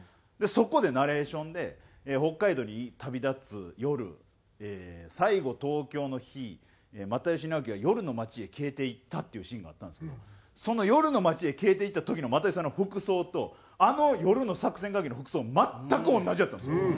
そこでナレーションで北海道に旅立つ夜最後東京の日又吉直樹は夜の街へ消えていったっていうシーンがあったんですけどその夜の街へ消えていった時の又吉さんの服装とあの夜の作戦会議の服装全く同じやったんですよ。